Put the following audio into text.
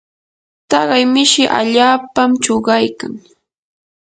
taqay mishi allaapam chuqaykan.